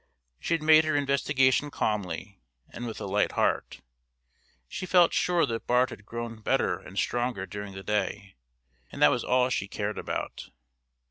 She had made her investigation calmly, and with a light heart; she felt sure that Bart had grown better and stronger during the day, and that was all that she cared about.